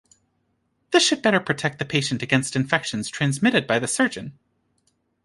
This should better protect the patient against infections transmitted by the surgeon.